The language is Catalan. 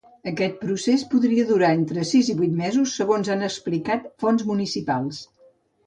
Aquest procés podria durar entre sis i vuit mesos, segons han explicat fonts municipals.